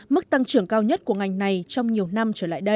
mức tăng trưởng cao nhất của ngành này trong nhiều năm